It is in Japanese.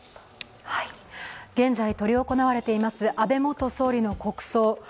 現在、執り行われています安倍元総理の国葬。